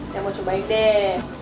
jangan mau cobain deh